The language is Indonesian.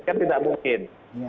kan tidak mungkin